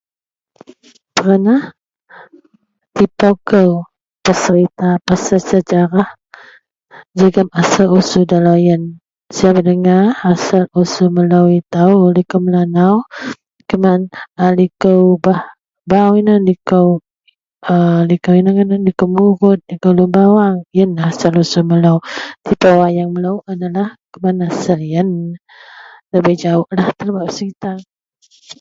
Pernah tipoukou peserita pasel sejarah jegem asal usul deloyen. Siyen dengah asal usul melou itou likou Melanau kuman a likou bah bau inan likou, a likou ngadan likou murut, likou Lun Bawang yenlah asal usul melou. Tipou ayeng melou adalah asel yen. Debei jawuklah telou bak peserita.